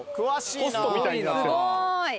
・ホストみたいになってる。